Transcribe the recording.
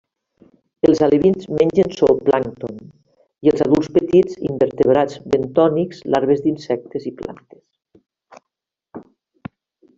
Els alevins mengen zooplàncton i els adults petits invertebrats bentònics, larves d'insectes i plantes.